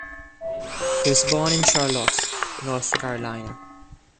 He was born in Charlotte, North Carolina.